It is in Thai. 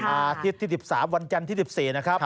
อาทิตย์ที่๑๓วันจันทร์ที่๑๔นะครับ